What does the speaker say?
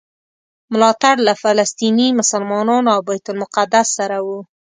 ملاتړ له فلسطیني مسلمانانو او بیت المقدس سره و.